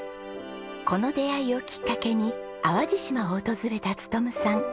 この出会いをきっかけに淡路島を訪れた勉さん。